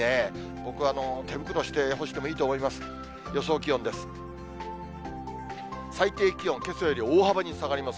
僕、手袋して干してもいいと思います。